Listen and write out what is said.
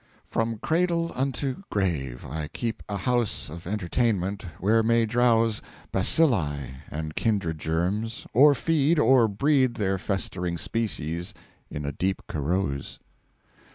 From Cradle unto Grave I keep a House OF Entertainment where may drowse Bacilli and kindred Germs or feed or breed Their festering Species in a deep Carouse.